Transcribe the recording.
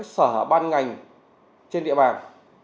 sở ban ngành trên địa bàn